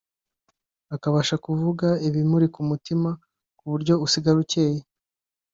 akabasha kuvuga ibimuri ku mutima ku buryo usigara ucyeye